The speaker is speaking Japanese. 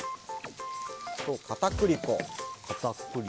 片栗粉。